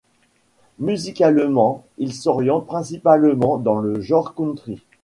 Musicalement, il s'oriente principalement dans le genre country.